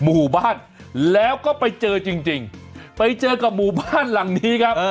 หมู่บ้านแล้วก็ไปเจอจริงจริงไปเจอกับหมู่บ้านหลังนี้ครับ